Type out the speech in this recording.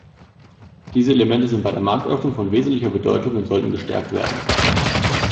Diese Elemente sind bei der Marktöffnung von wesentlicher Bedeutung und sollten gestärkt werden.